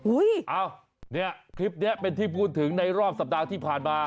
เอ้าเนี่ยคลิปนี้เป็นที่พูดถึงในรอบสัปดาห์ที่ผ่านมา